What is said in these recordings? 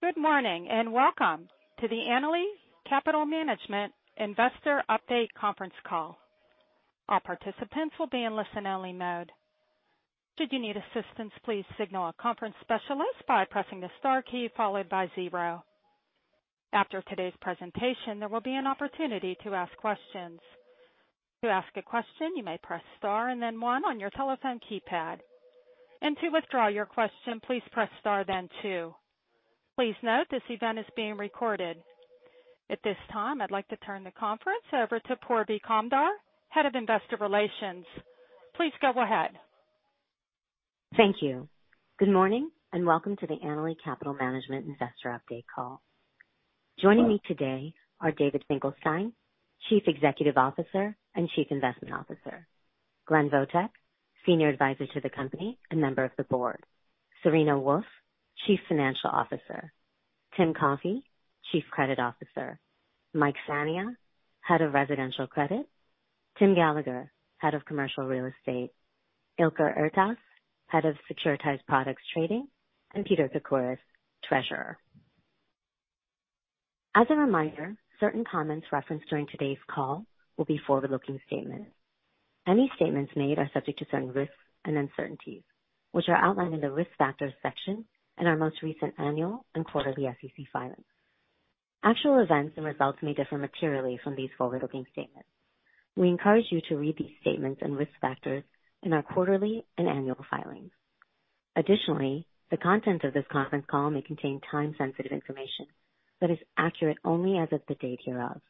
Good morning and welcome to the Annaly Capital Management Investor Update Conference Call. All participants will be in listen-only mode. Should you need assistance, please signal a conference specialist by pressing the star key followed by zero. After today's presentation, there will be an opportunity to ask questions. To ask a question, you may press star and then one on your telephone keypad, and to withdraw your question, please press star then two. Please note this event is being recorded. At this time, I'd like to turn the conference over to Purvi Kamdar, Head of Investor Relations. Please go ahead. Thank you. Good morning and welcome to the Annaly Capital Management Investor Update Call. Joining me today are David Finkelstein, Chief Executive Officer and Chief Investment Officer; Glenn Votek, Senior Advisor to the company and member of the board; Serena Wolfe, Chief Financial Officer; Tim Coffey, Chief Credit Officer; Mike Fania, Head of Residential Credit; Tim Gallagher, Head of Commercial Real Estate; Ilker Ertas, Head of Securitized Products Trading; and Peter Kukura, Treasurer. As a reminder, certain comments referenced during today's call will be forward-looking statements. Any statements made are subject to certain risks and uncertainties, which are outlined in the risk factors section in our most recent annual and quarterly SEC filings. Actual events and results may differ materially from these forward-looking statements. We encourage you to read these statements and risk factors in our quarterly and annual filings. Additionally, the content of this conference call may contain time-sensitive information that is accurate only as of the date hereof.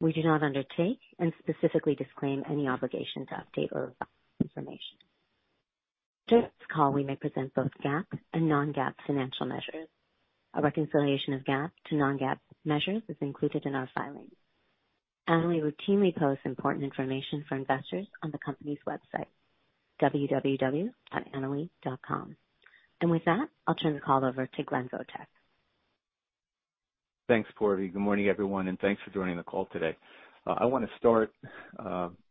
We do not undertake and specifically disclaim any obligation to update or revise information. During this call, we may present both GAAP and Non-GAAP financial measures. A reconciliation of GAAP to Non-GAAP measures is included in our filings. Annaly routinely posts important information for investors on the company's website, www.annaly.com. And with that, I'll turn the call over to Glenn Votek. Thanks, Purvi. Good morning, everyone, and thanks for joining the call today. I want to start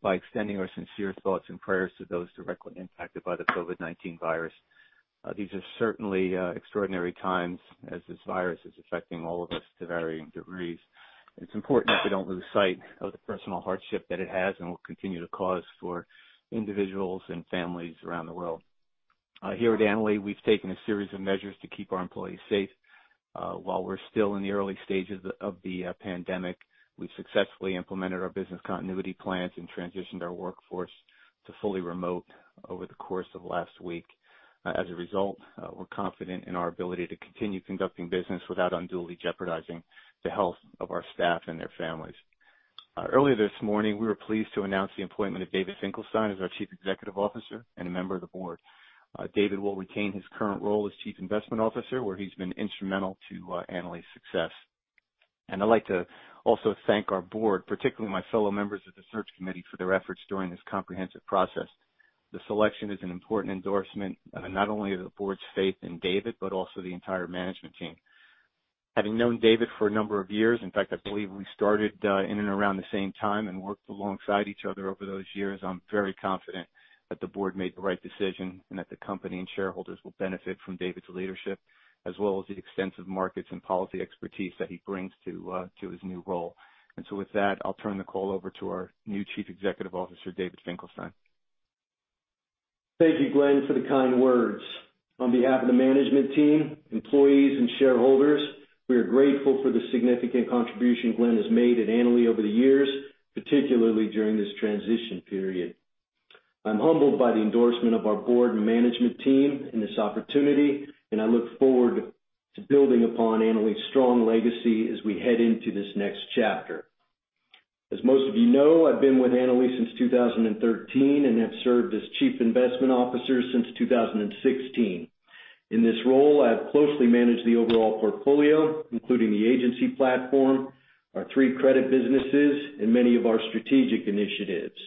by extending our sincere thoughts and prayers to those directly impacted by the COVID-19 virus. These are certainly extraordinary times as this virus is affecting all of us to varying degrees. It's important that we don't lose sight of the personal hardship that it has and will continue to cause for individuals and families around the world. Here at Annaly, we've taken a series of measures to keep our employees safe. While we're still in the early stages of the pandemic, we've successfully implemented our business continuity plans and transitioned our workforce to fully remote over the course of the last week. As a result, we're confident in our ability to continue conducting business without unduly jeopardizing the health of our staff and their families. Earlier this morning, we were pleased to announce the appointment of David Finkelstein as our Chief Executive Officer and a member of the board. David will retain his current role as Chief Investment Officer, where he's been instrumental to Annaly's success. And I'd like to also thank our board, particularly my fellow members of the search committee, for their efforts during this comprehensive process. The selection is an important endorsement not only of the board's faith in David, but also the entire management team. Having known David for a number of years, in fact, I believe we started in and around the same time and worked alongside each other over those years, I'm very confident that the board made the right decision and that the company and shareholders will benefit from David's leadership, as well as the extensive markets and policy expertise that he brings to his new role. With that, I'll turn the call over to our new Chief Executive Officer, David Finkelstein. Thank you, Glenn, for the kind words. On behalf of the management team, employees, and shareholders, we are grateful for the significant contribution Glenn has made at Annaly over the years, particularly during this transition period. I'm humbled by the endorsement of our board and management team in this opportunity, and I look forward to building upon Annaly's strong legacy as we head into this next chapter. As most of you know, I've been with Annaly since 2013 and have served as Chief Investment Officer since 2016. In this role, I have closely managed the overall portfolio, including the agency platform, our three credit businesses, and many of our strategic initiatives.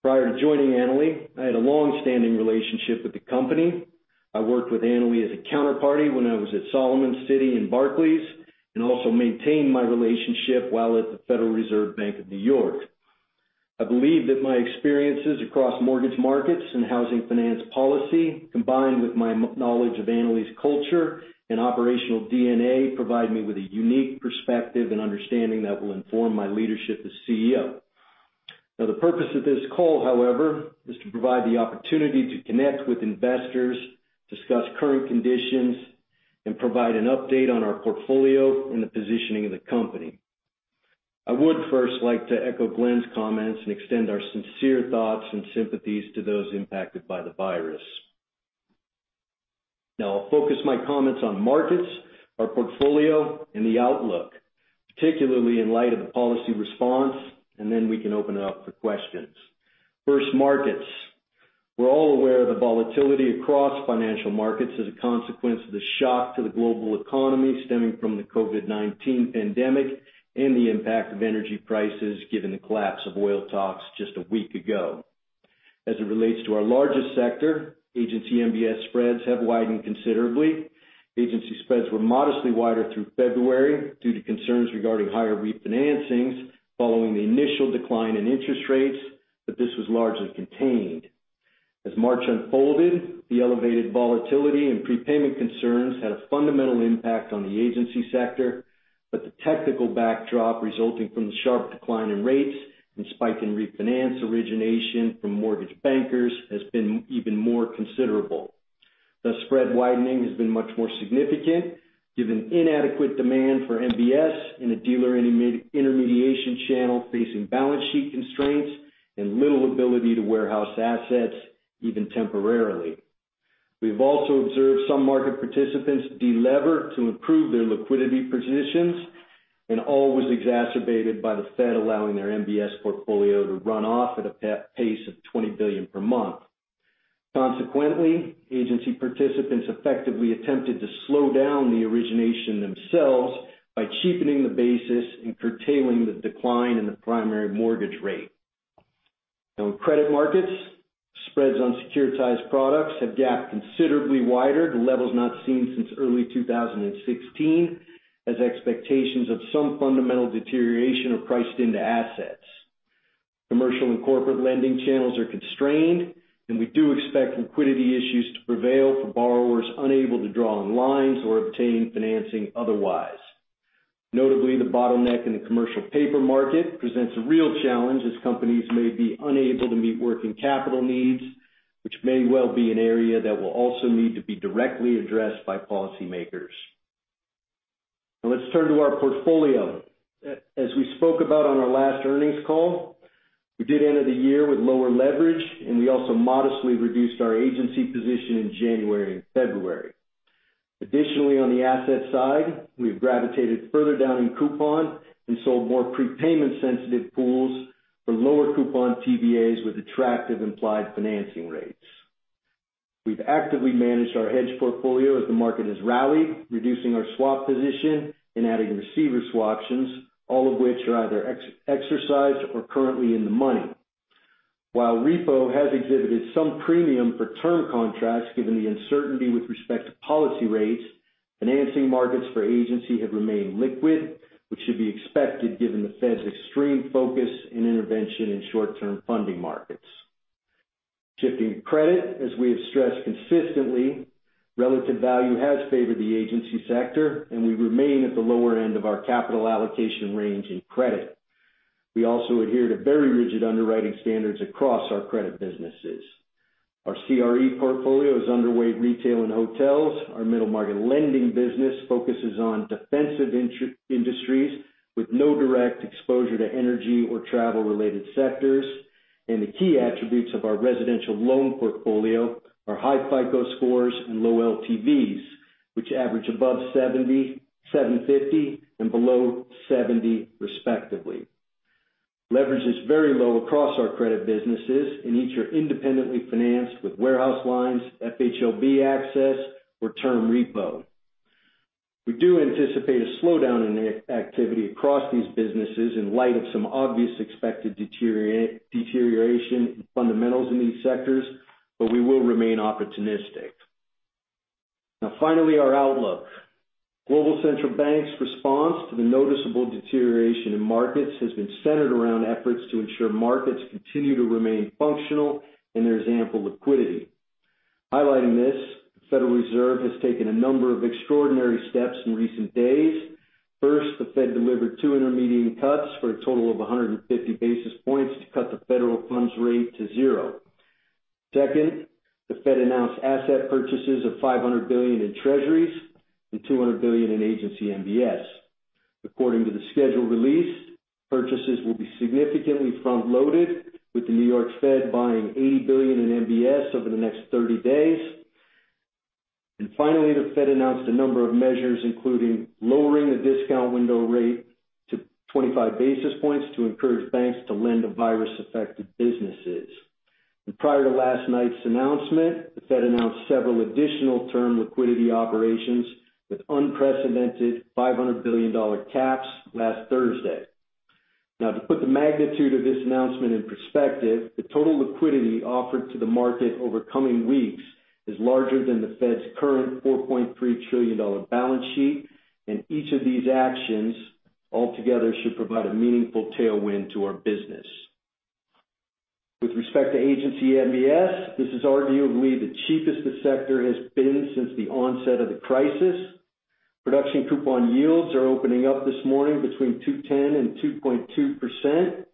Prior to joining Annaly, I had a long-standing relationship with the company. I worked with Annaly as a counterparty when I was at Salomon, Citi, and Barclays and also maintained my relationship while at the Federal Reserve Bank of New York. I believe that my experiences across mortgage markets and housing finance policy, combined with my knowledge of Annaly's culture and operational DNA, provide me with a unique perspective and understanding that will inform my leadership as CEO. Now, the purpose of this call, however, is to provide the opportunity to connect with investors, discuss current conditions, and provide an update on our portfolio and the positioning of the company. I would first like to echo Glenn's comments and extend our sincere thoughts and sympathies to those impacted by the virus. Now, I'll focus my comments on markets, our portfolio, and the outlook, particularly in light of the policy response, and then we can open it up for questions. First, markets. We're all aware of the volatility across financial markets as a consequence of the shock to the global economy stemming from the COVID-19 pandemic and the impact of energy prices given the collapse of oil talks just a week ago. As it relates to our largest sector, Agency MBS spreads have widened considerably. Agency spreads were modestly wider through February due to concerns regarding higher refinancings following the initial decline in interest rates, but this was largely contained. As March unfolded, the elevated volatility and prepayment concerns had a fundamental impact on the agency sector, but the technical backdrop resulting from the sharp decline in rates and spike in refinance origination from mortgage bankers has been even more considerable. The spread widening has been much more significant given inadequate demand for MBS in a dealer intermediation channel facing balance sheet constraints and little ability to warehouse assets, even temporarily. We've also observed some market participants delever to improve their liquidity positions, and all was exacerbated by the Fed allowing their MBS portfolio to run off at a pace of $20 billion per month. Consequently, agency participants effectively attempted to slow down the origination themselves by cheapening the basis and curtailing the decline in the primary mortgage rate. Now, in credit markets, spreads on securitized products have gapped considerably wider, to levels not seen since early 2016, as expectations of some fundamental deterioration are priced into assets. Commercial and corporate lending channels are constrained, and we do expect liquidity issues to prevail for borrowers unable to draw on lines or obtain financing otherwise. Notably, the bottleneck in the commercial paper market presents a real challenge as companies may be unable to meet working capital needs, which may well be an area that will also need to be directly addressed by policymakers. Now, let's turn to our portfolio. As we spoke about on our last earnings call, we did enter the year with lower leverage, and we also modestly reduced our agency position in January and February. Additionally, on the asset side, we've gravitated further down in coupon and sold more prepayment-sensitive pools for lower coupon TBAs with attractive implied financing rates. We've actively managed our hedge portfolio as the market has rallied, reducing our swap position and adding receiver swaptions, all of which are either exercised or currently in the money. While repo has exhibited some premium for term contracts given the uncertainty with respect to policy rates, financing markets for agency have remained liquid, which should be expected given the Fed's extreme focus and intervention in short-term funding markets. Shifting to credit, as we have stressed consistently, relative value has favored the agency sector, and we remain at the lower end of our capital allocation range in credit. We also adhere to very rigid underwriting standards across our credit businesses. Our CRE portfolio is underweight retail and hotels. Our middle-market lending business focuses on defensive industries with no direct exposure to energy or travel-related sectors, and the key attributes of our residential loan portfolio are high FICO scores and low LTVs, which average above 750 and below 70, respectively. Leverage is very low across our credit businesses, and each are independently financed with warehouse lines, FHLB access, or term repo. We do anticipate a slowdown in activity across these businesses in light of some obvious expected deterioration in fundamentals in these sectors, but we will remain opportunistic. Now, finally, our outlook. Global central banks' response to the noticeable deterioration in markets has been centered around efforts to ensure markets continue to remain functional and there is ample liquidity. Highlighting this, the Federal Reserve has taken a number of extraordinary steps in recent days. First, the Fed delivered two intermediate cuts for a total of 150 basis points to cut the federal funds rate to zero. Second, the Fed announced asset purchases of $500 billion in treasuries and $200 billion in agency MBS. According to the schedule released, purchases will be significantly front-loaded, with the New York Fed buying $80 billion in MBS over the next 30 days, and finally, the Fed announced a number of measures, including lowering the discount window rate to 25 basis points to encourage banks to lend to virus-affected businesses, and prior to last night's announcement, the Fed announced several additional term liquidity operations with unprecedented $500 billion caps last Thursday. Now, to put the magnitude of this announcement in perspective, the total liquidity offered to the market over coming weeks is larger than the Fed's current $4.3 trillion balance sheet, and each of these actions altogether should provide a meaningful tailwind to our business. With respect to agency MBS, this is arguably the cheapest the sector has been since the onset of the crisis. Production coupon yields are opening up this morning between 2.10% and 2.2%.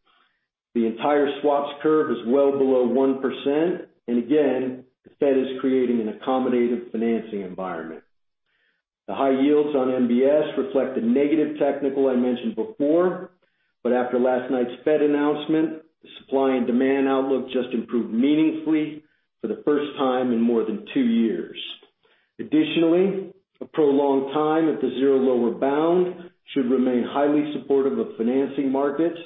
The entire swaps curve is well below 1%, and again, the Fed is creating an accommodative financing environment. The high yields on MBS reflect the negative technical I mentioned before, but after last night's Fed announcement, the supply and demand outlook just improved meaningfully for the first time in more than two years. Additionally, a prolonged time at the zero lower bound should remain highly supportive of financing markets,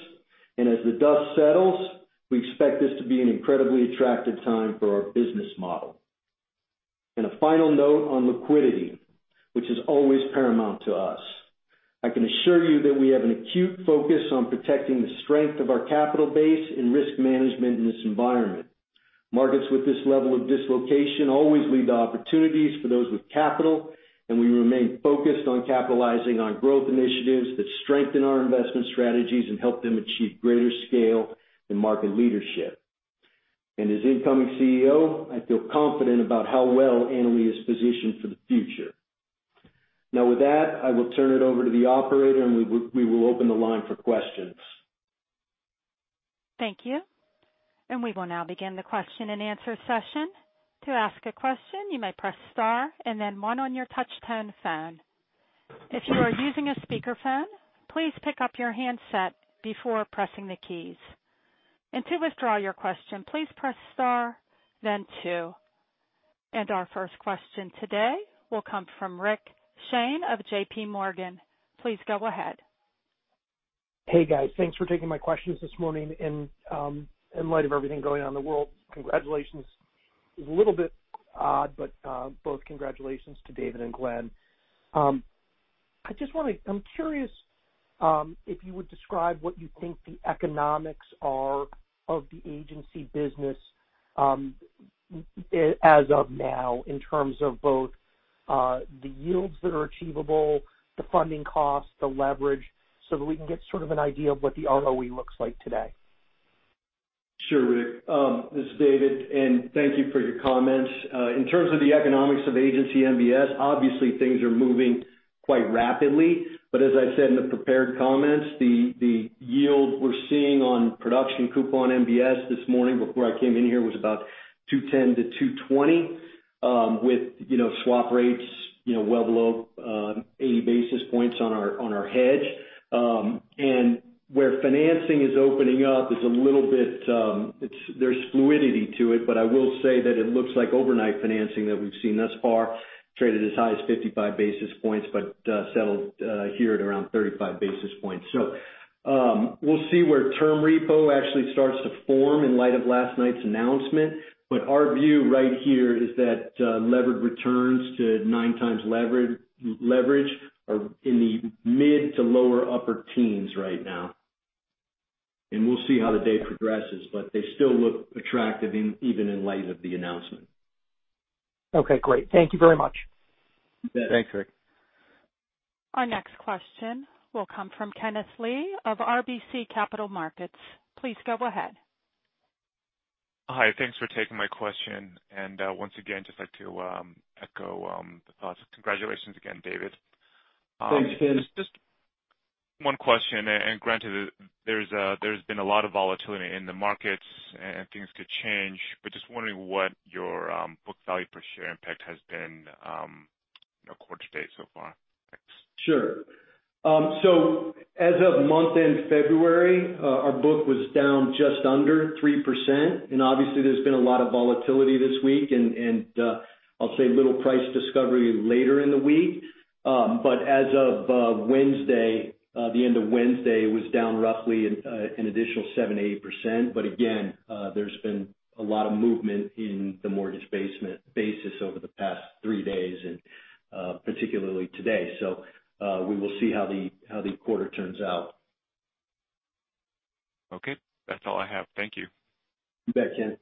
and as the dust settles, we expect this to be an incredibly attractive time for our business model, and a final note on liquidity, which is always paramount to us. I can assure you that we have an acute focus on protecting the strength of our capital base and risk management in this environment. Markets with this level of dislocation always lead to opportunities for those with capital, and we remain focused on capitalizing on growth initiatives that strengthen our investment strategies and help them achieve greater scale and market leadership, and as incoming CEO, I feel confident about how well Annaly is positioned for the future. Now, with that, I will turn it over to the operator, and we will open the line for questions. Thank you. And we will now begin the question and answer session. To ask a question, you may press star and then one on your touchtone phone. If you are using a speakerphone, please pick up your handset before pressing the keys. And to withdraw your question, please press star, then two. And our first question today will come from Rick Shane of J.P. Morgan. Please go ahead. Hey, guys. Thanks for taking my questions this morning, and in light of everything going on in the world, congratulations. It's a little bit odd, but both congratulations to David and Glenn. I just want to, I'm curious if you would describe what you think the economics are of the agency business as of now in terms of both the yields that are achievable, the funding costs, the leverage, so that we can get sort of an idea of what the ROE looks like today. Sure, Rick. This is David, and thank you for your comments. In terms of the economics of agency MBS, obviously, things are moving quite rapidly. But as I said in the prepared comments, the yield we're seeing on production coupon MBS this morning before I came in here was about 2.10 to 2.20 with swap rates well below 80 basis points on our hedge. And where financing is opening up is a little bit. There's fluidity to it, but I will say that it looks like overnight financing that we've seen thus far traded as high as 55 basis points but settled here at around 35 basis points. So we'll see where term repo actually starts to form in light of last night's announcement. But our view right here is that leverage returns to nine times leverage are in the mid to lower upper teens right now. We'll see how the day progresses, but they still look attractive even in light of the announcement. Okay, great. Thank you very much. Thanks, Rick. Our next question will come from Kenneth Lee of RBC Capital Markets. Please go ahead. Hi, thanks for taking my question and once again, just like to echo the thoughts. Congratulations again, David. Thanks, Kenneth. Just one question, and granted, there's been a lot of volatility in the markets, and things could change, but just wondering what your book value per share impact has been in a quarter to date so far? Sure. So as of month-end February, our book was down just under 3%. And obviously, there's been a lot of volatility this week, and I'll say little price discovery later in the week. But as of Wednesday, the end of Wednesday, it was down roughly an additional 7%-8%. But again, there's been a lot of movement in the mortgage basis over the past three days, and particularly today. So we will see how the quarter turns out. Okay. That's all I have. Thank you. You bet, Ken.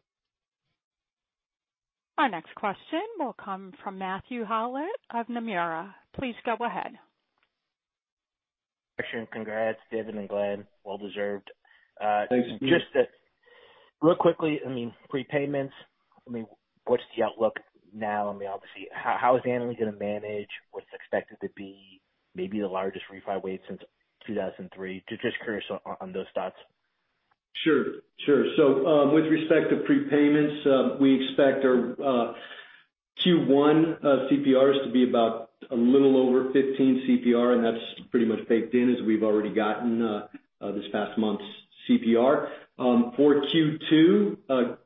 Our next question will come from Matthew Howlett of Nomura. Please go ahead. Actually, congrats, David and Glenn. Well-deserved. Thanks, Rick. Just real quickly, I mean, prepayments, I mean, what's the outlook now? I mean, obviously, how is Annaly going to manage what's expected to be maybe the largest refi wave since 2003? Just curious on those thoughts. Sure. Sure. So with respect to prepayments, we expect our Q1 CPRs to be about a little over 15 CPR, and that's pretty much baked in as we've already gotten this past month's CPR. For Q2,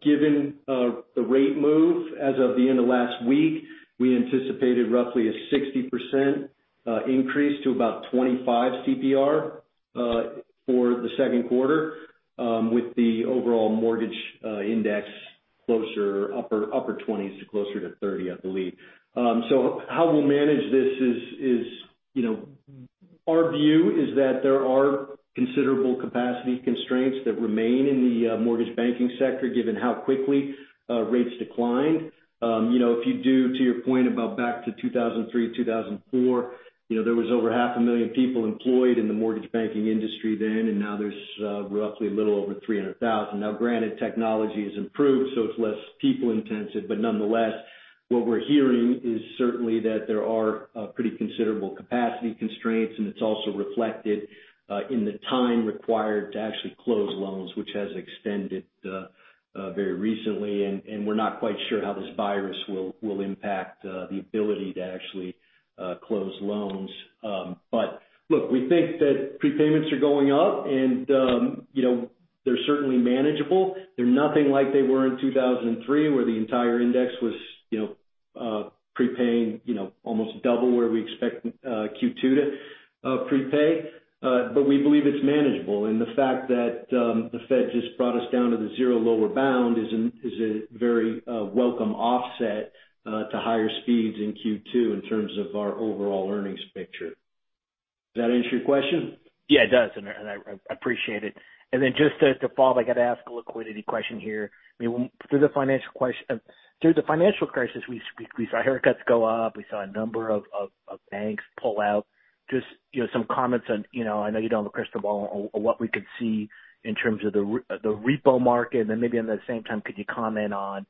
given the rate move as of the end of last week, we anticipated roughly a 60% increase to about 25 CPR for the second quarter with the overall mortgage index closer, upper 20s to closer to 30, I believe. So how we'll manage this is our view is that there are considerable capacity constraints that remain in the mortgage banking sector given how quickly rates declined. If you do, to your point about back to 2003, 2004, there was over 500,000 people employed in the mortgage banking industry then, and now there's roughly a little over 300,000. Now, granted, technology has improved, so it's less people-intensive, but nonetheless, what we're hearing is certainly that there are pretty considerable capacity constraints, and it's also reflected in the time required to actually close loans, which has extended very recently. And we're not quite sure how this virus will impact the ability to actually close loans. But look, we think that prepayments are going up, and they're certainly manageable. They're nothing like they were in 2003 where the entire index was prepaying almost double where we expect Q2 to prepay. But we believe it's manageable. And the fact that the Fed just brought us down to the zero lower bound is a very welcome offset to higher speeds in Q2 in terms of our overall earnings picture. Does that answer your question? Yeah, it does. And I appreciate it. And then just to follow up, I got to ask a liquidity question here. I mean, through the financial crisis, we saw haircuts go up. We saw a number of banks pull out. Just some comments on. I know you don't have a crystal ball on what we could see in terms of the repo market. And then maybe at the same time, could you comment on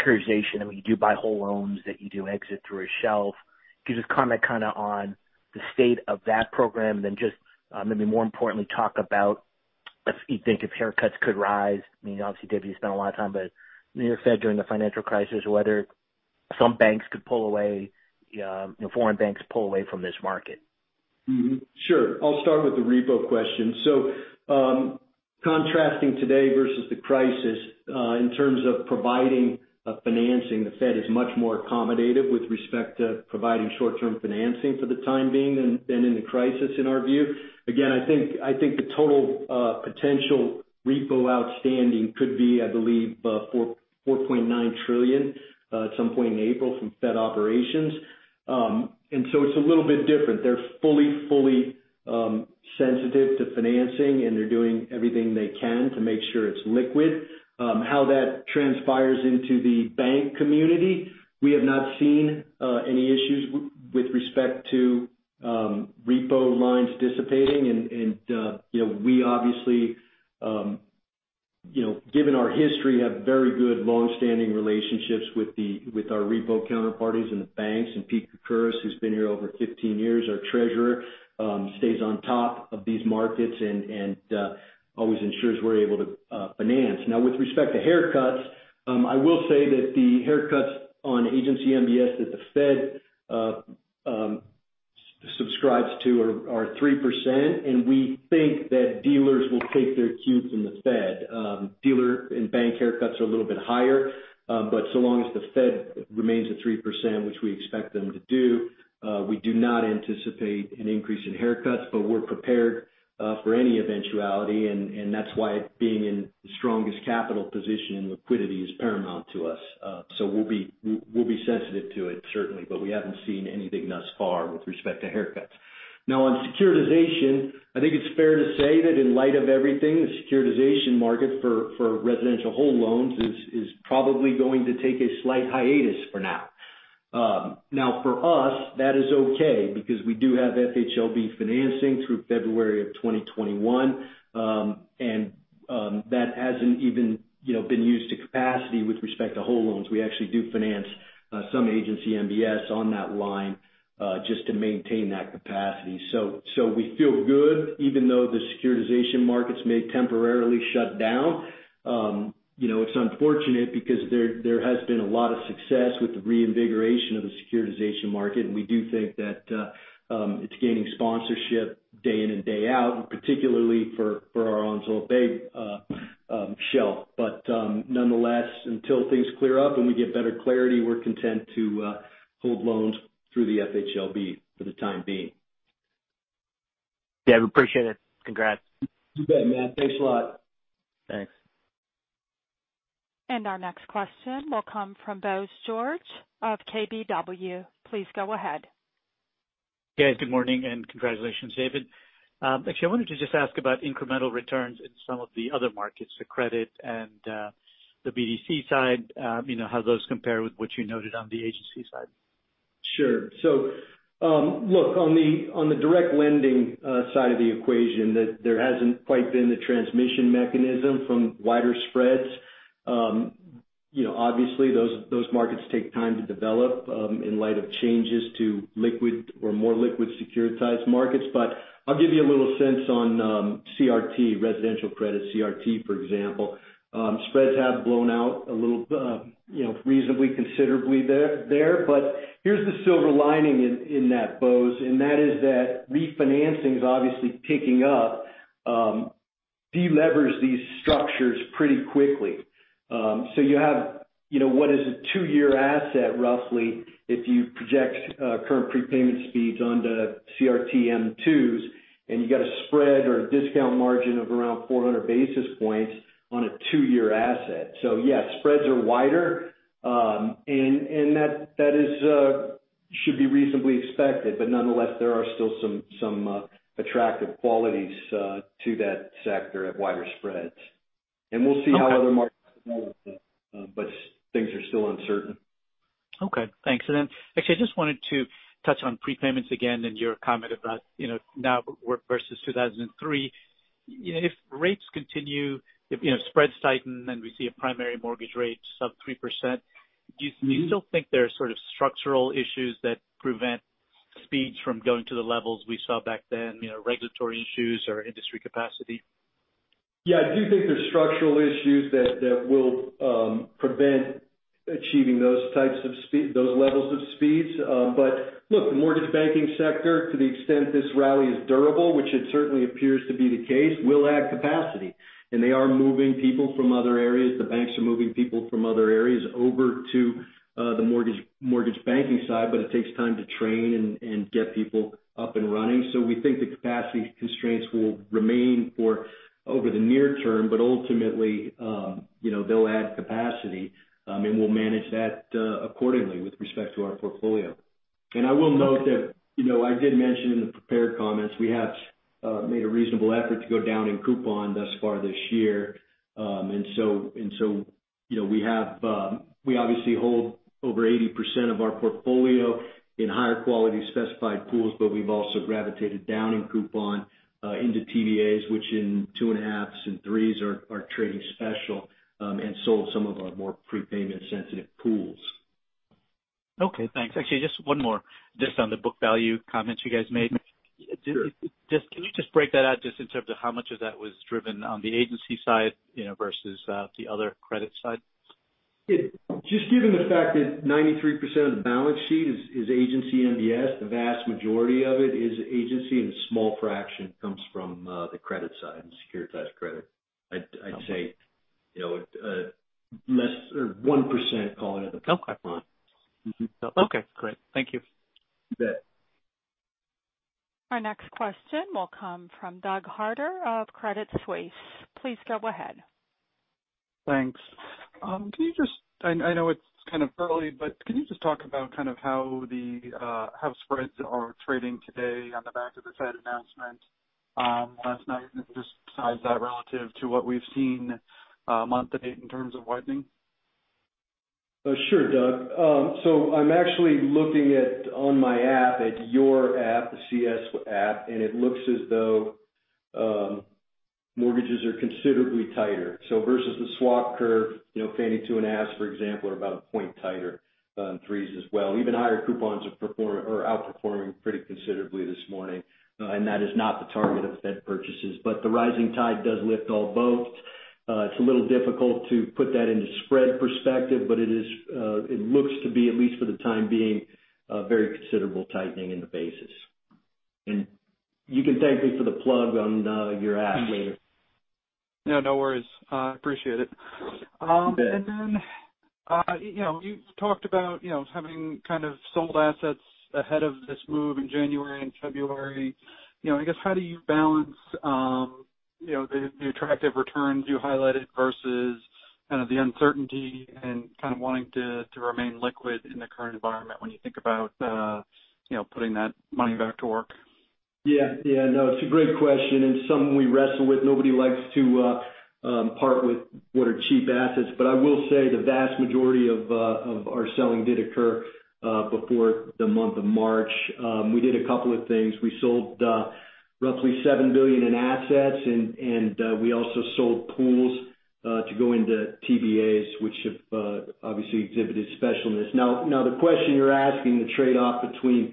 securitization? I mean, you do buy whole loans that you do exit through a shelf. Could you just comment kind of on the state of that program? And then just maybe more importantly, talk about if you think if haircuts could rise. I mean, obviously, David, you spent a lot of time with the New York Fed during the financial crisis, whether some banks could pull away, foreign banks pull away from this market. Sure. I'll start with the repo question. So contrasting today versus the crisis, in terms of providing financing, the Fed is much more accommodative with respect to providing short-term financing for the time being than in the crisis in our view. Again, I think the total potential repo outstanding could be, I believe, $4.9 trillion at some point in April from Fed operations. And so it's a little bit different. They're fully, fully sensitive to financing, and they're doing everything they can to make sure it's liquid. How that transpires into the bank community, we have not seen any issues with respect to repo lines dissipating. And we obviously, given our history, have very good long-standing relationships with our repo counterparties and the banks. And Peter Kukura, who's been here over 15 years, our treasurer, stays on top of these markets and always ensures we're able to finance. Now, with respect to haircuts, I will say that the haircuts on Agency MBS that the Fed subscribes to are 3%, and we think that dealers will take their cues from the Fed. Dealer and bank haircuts are a little bit higher, but so long as the Fed remains at 3%, which we expect them to do, we do not anticipate an increase in haircuts, but we're prepared for any eventuality, and that's why being in the strongest capital position in liquidity is paramount to us, so we'll be sensitive to it, certainly, but we haven't seen anything thus far with respect to haircuts. Now, on securitization, I think it's fair to say that in light of everything, the securitization market for residential whole loans is probably going to take a slight hiatus for now. Now, for us, that is okay because we do have FHLB financing through February of 2021, and that hasn't even been used to capacity with respect to whole loans. We actually do finance some agency MBS on that line just to maintain that capacity. So we feel good even though the securitization markets may temporarily shut down. It's unfortunate because there has been a lot of success with the reinvigoration of the securitization market, and we do think that it's gaining sponsorship day in and day out, particularly for our Onslow Bay shelf. But nonetheless, until things clear up and we get better clarity, we're content to hold loans through the FHLB for the time being. Yeah, we appreciate it. Congrats. You bet, Matt. Thanks a lot. Thanks. Our next question will come from Bose George of KBW. Please go ahead. Hey, good morning and congratulations, David. Actually, I wanted to just ask about incremental returns in some of the other markets, the credit and the BDC side, how those compare with what you noted on the agency side. Sure. So look, on the direct lending side of the equation, there hasn't quite been the transmission mechanism from wider spreads. Obviously, those markets take time to develop in light of changes to liquid or more liquid securitized markets. But I'll give you a little sense on CRT, residential credit CRT, for example. Spreads have blown out a little reasonably, considerably there. But here's the silver lining in that, Bose, and that is that refinancing is obviously picking up, delevers these structures pretty quickly. So you have what is a two-year asset roughly if you project current prepayment speeds onto CRTM2s, and you got a spread or a discount margin of around 400 basis points on a two-year asset. So yeah, spreads are wider, and that should be reasonably expected. But nonetheless, there are still some attractive qualities to that sector at wider spreads. We'll see how other markets develop, but things are still uncertain. Okay. Thanks. And then actually, I just wanted to touch on prepayments again and your comment about now versus 2003. If rates continue, if spreads tighten and we see a primary mortgage rate sub 3%, do you still think there are sort of structural issues that prevent speeds from going to the levels we saw back then, regulatory issues or industry capacity? Yeah, I do think there's structural issues that will prevent achieving those levels of speeds. But look, the mortgage banking sector, to the extent this rally is durable, which it certainly appears to be the case, will add capacity. They are moving people from other areas. The banks are moving people from other areas over to the mortgage banking side, but it takes time to train and get people up and running. We think the capacity constraints will remain for over the near term, but ultimately, they'll add capacity, and we'll manage that accordingly with respect to our portfolio. I will note that I did mention in the prepared comments we have made a reasonable effort to go down in coupon thus far this year. And so we obviously hold over 80% of our portfolio in higher quality specified pools, but we've also gravitated down in coupon into TBAs, which in 2.5s and 3s are trading special and sold some of our more prepayment-sensitive pools. Okay. Thanks. Actually, just one more. Just on the book value comments you guys made, can you just break that out just in terms of how much of that was driven on the agency side versus the other credit side? Just given the fact that 93% of the balance sheet is agency MBS, the vast majority of it is agency, and a small fraction comes from the credit side and securitized credit. I'd say less than 1%, call it at the coupon. Okay. Great. Thank you. You bet. Our next question will come from Doug Harter of Credit Suisse. Please go ahead. Thanks. Can you just, I know it's kind of early, but can you just talk about kind of how spreads are trading today on the back of the Fed announcement last night and just size that relative to what we've seen month-to-date in terms of widening? Sure, Doug. So I'm actually looking on my app, at your app, the CS app, and it looks as though mortgages are considerably tighter, so versus the swap curve, Fannie Two and a Halves, for example, are about a point tighter in threes as well. Even higher coupons are outperforming pretty considerably this morning, and that is not the target of Fed purchases, but the rising tide does lift all boats. It's a little difficult to put that into spread perspective, but it looks to be, at least for the time being, very considerable tightening in the basis, and you can thank me for the plug on your app later. Yeah, no worries. I appreciate it. And then you talked about having kind of sold assets ahead of this move in January and February. I guess, how do you balance the attractive returns you highlighted versus kind of the uncertainty and kind of wanting to remain liquid in the current environment when you think about putting that money back to work? Yeah. Yeah. No, it's a great question. And some we wrestle with. Nobody likes to part with what are cheap assets. But I will say the vast majority of our selling did occur before the month of March. We did a couple of things. We sold roughly $7 billion in assets, and we also sold pools to go into TBAs, which have obviously exhibited specialness. Now, the question you're asking, the trade-off between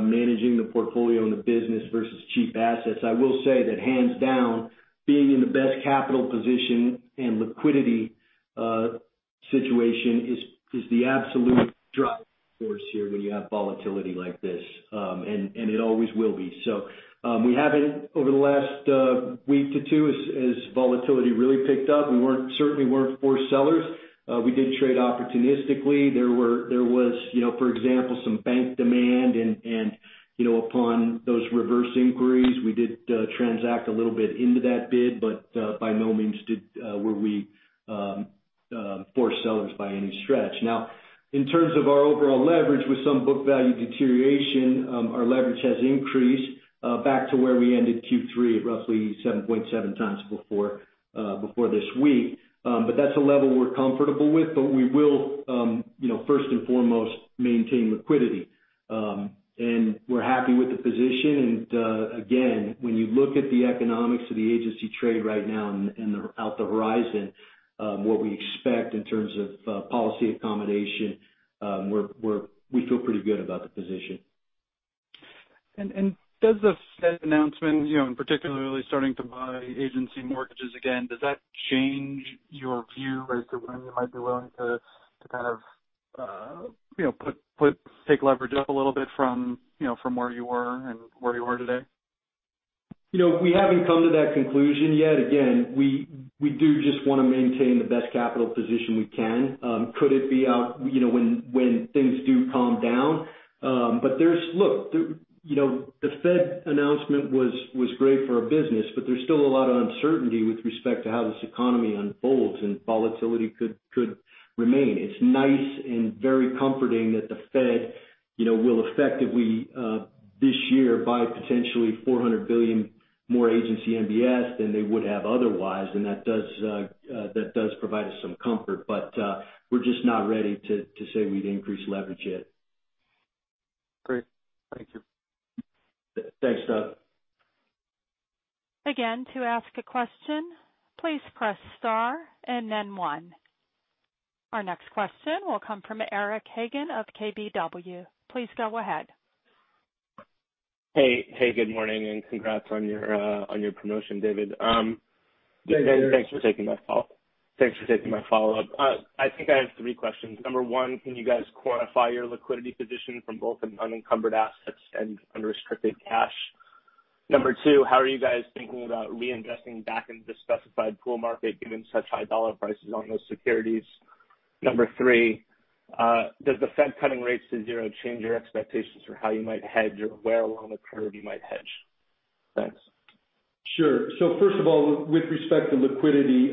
managing the portfolio and the business versus cheap assets, I will say that hands down, being in the best capital position and liquidity situation is the absolute driving force here when you have volatility like this, and it always will be. So we haven't, over the last week to two, as volatility really picked up, we certainly weren't forced sellers. We did trade opportunistically. There was, for example, some bank demand, and upon those reverse inquiries, we did transact a little bit into that bid, but by no means were we forced sellers by any stretch. Now, in terms of our overall leverage, with some book value deterioration, our leverage has increased back to where we ended Q3 at roughly 7.7 times before this week. But that's a level we're comfortable with, but we will, first and foremost, maintain liquidity. And we're happy with the position. And again, when you look at the economics of the agency trade right now and over the horizon, what we expect in terms of policy accommodation, we feel pretty good about the position. Does the Fed announcement, and particularly starting to buy agency mortgages again, does that change your view as to when you might be willing to kind of take leverage up a little bit from where you were and where you are today? We haven't come to that conclusion yet. Again, we do just want to maintain the best capital position we can. Could it be out when things do calm down? But look, the Fed announcement was great for a business, but there's still a lot of uncertainty with respect to how this economy unfolds and volatility could remain. It's nice and very comforting that the Fed will effectively this year buy potentially $400 billion more Agency MBS than they would have otherwise, and that does provide us some comfort. But we're just not ready to say we'd increase leverage yet. Great. Thank you. Thanks, Doug. Again, to ask a question, please press star and then one. Our next question will come from Eric Hagen of KBW. Please go ahead. Hey. Hey, good morning and congrats on your promotion, David. Thanks for taking my call. Thanks for taking my follow-up. I think I have three questions. Number one, can you guys quantify your liquidity position from both unencumbered assets and unrestricted cash? Number two, how are you guys thinking about reinvesting back into the specified pool market given such high dollar prices on those securities? Number three, does the Fed cutting rates to zero change your expectations for how you might hedge or where along the curve you might hedge? Thanks. Sure, so first of all, with respect to liquidity,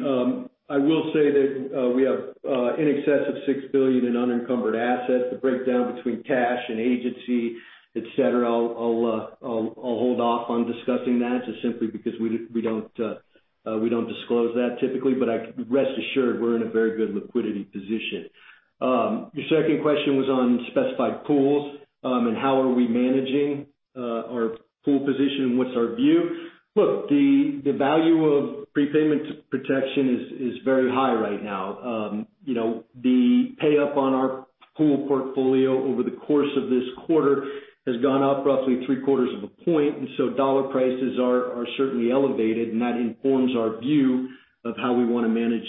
I will say that we have in excess of $6 billion in unencumbered assets. The breakdown between cash and agency, etc., I'll hold off on discussing that just simply because we don't disclose that typically. But rest assured, we're in a very good liquidity position. Your second question was on specified pools and how are we managing our pool position and what's our view. Look, the value of prepayment protection is very high right now. The pay-up on our pool portfolio over the course of this quarter has gone up roughly three-quarters of a point, and so dollar prices are certainly elevated, and that informs our view of how we want to manage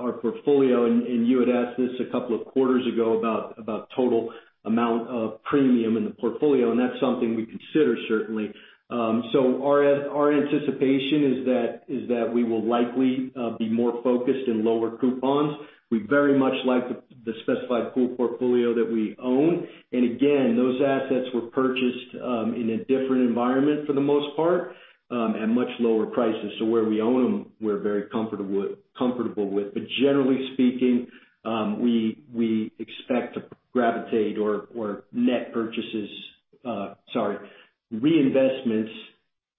our portfolio, and you had asked this a couple of quarters ago about total amount of premium in the portfolio, and that's something we consider, certainly. Our anticipation is that we will likely be more focused in lower coupons. We very much like the specified pool portfolio that we own. And again, those assets were purchased in a different environment for the most part at much lower prices. So where we own them, we're very comfortable with. But generally speaking, we expect to gravitate or net purchases, sorry, reinvestments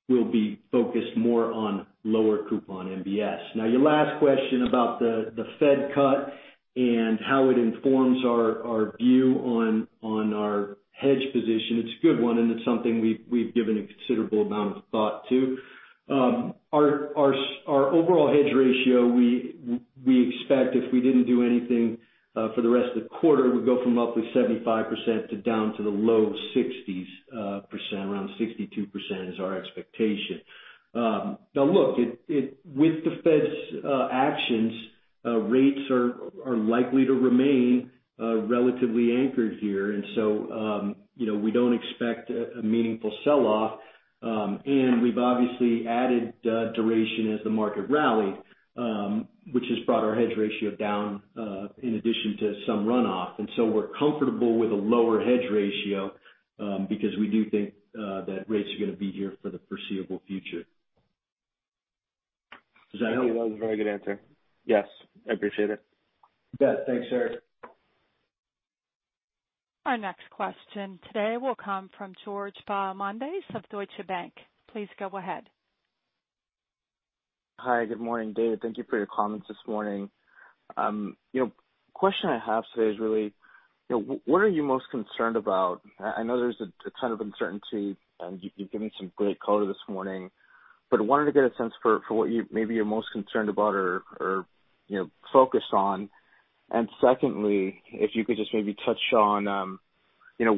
will be focused more on lower coupon MBS. Now, your last question about the Fed cut and how it informs our view on our hedge position, it's a good one, and it's something we've given a considerable amount of thought to. Our overall hedge ratio, we expect if we didn't do anything for the rest of the quarter, we'd go from roughly 75% down to the low 60s%, around 62% is our expectation. Now, look, with the Fed's actions, rates are likely to remain relatively anchored here. And so we don't expect a meaningful sell-off. And we've obviously added duration as the market rallied, which has brought our hedge ratio down in addition to some runoff. And so we're comfortable with a lower hedge ratio because we do think that rates are going to be here for the foreseeable future. Does that help? That was a very good answer. Yes. I appreciate it. Good. Thanks, Eric. Our next question today will come from George Philomedes of Deutsche Bank. Please go ahead. Hi. Good morning, David. Thank you for your comments this morning. The question I have today is really, what are you most concerned about? I know there's a ton of uncertainty, and you've given some great color this morning, but I wanted to get a sense for what maybe you're most concerned about or focused on. And secondly, if you could just maybe touch on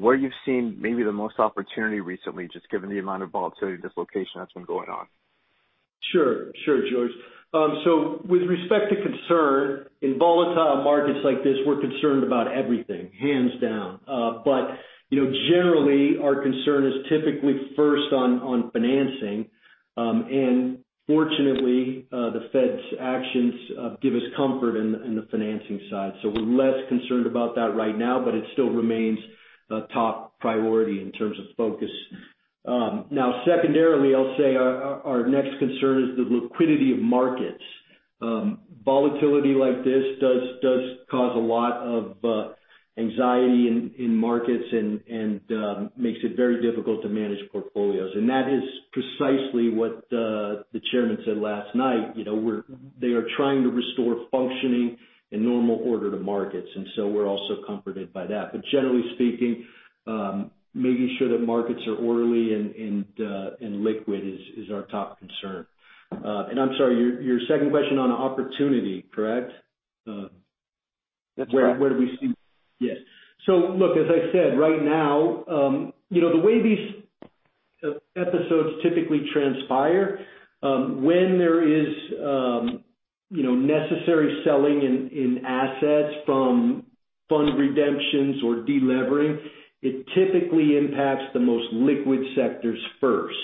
where you've seen maybe the most opportunity recently, just given the amount of volatility and dislocation that's been going on. Sure. Sure, George. So with respect to concern, in volatile markets like this, we're concerned about everything, hands down. But generally, our concern is typically first on financing. And fortunately, the Fed's actions give us comfort in the financing side. So we're less concerned about that right now, but it still remains a top priority in terms of focus. Now, secondarily, I'll say our next concern is the liquidity of markets. Volatility like this does cause a lot of anxiety in markets and makes it very difficult to manage portfolios. And that is precisely what the chairman said last night. They are trying to restore functioning and normal order to markets. And so we're also comforted by that. But generally speaking, making sure that markets are orderly and liquid is our top concern. And I'm sorry, your second question on opportunity, correct? That's fine. Where do we see? Yes, so look, as I said, right now, the way these episodes typically transpire, when there is necessary selling in assets from fund redemptions or delevering, it typically impacts the most liquid sectors first,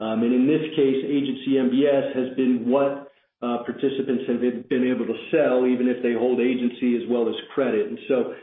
and in this case, Agency MBS has been what participants have been able to sell, even if they hold Agency as well as credit, and so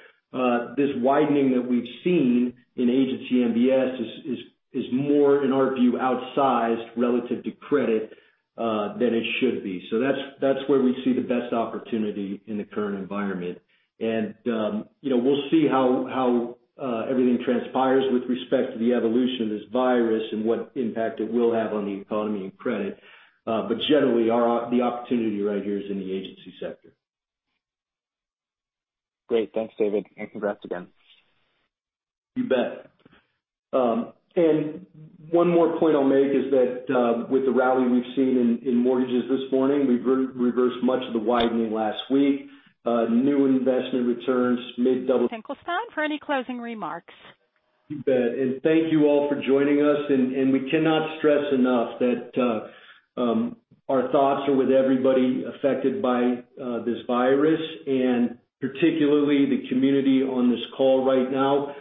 this widening that we've seen in Agency MBS is more, in our view, outsized relative to credit than it should be, so that's where we see the best opportunity in the current environment, and we'll see how everything transpires with respect to the evolution of this virus and what impact it will have on the economy and credit, but generally, the opportunity right here is in the Agency sector. Great. Thanks, David. And congrats again. You bet. And one more point I'll make is that with the rally we've seen in mortgages this morning, we've reversed much of the widening last week. New investment returns, mid. David Finkelstein for any closing remarks. You bet. And thank you all for joining us. And we cannot stress enough that our thoughts are with everybody affected by this virus, and particularly the community on this call right now,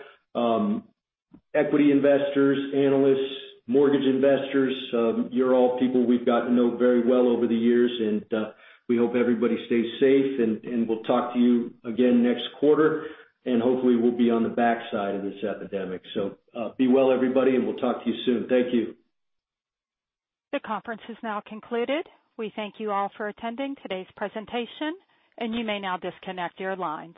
equity investors, analysts, mortgage investors. You're all people we've gotten to know very well over the years, and we hope everybody stays safe. And we'll talk to you again next quarter, and hopefully, we'll be on the backside of this epidemic. So be well, everybody, and we'll talk to you soon. Thank you. The conference is now concluded. We thank you all for attending today's presentation, and you may now disconnect your lines.